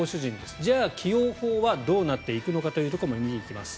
じゃあ起用法はどうなっていくのかというところも見ていきます。